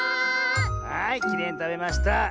はいきれいにたべました！